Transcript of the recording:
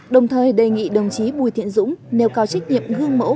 đồng thời đề nghị đồng chí bùi thiện dũng nêu cao trách nhiệm gương mẫu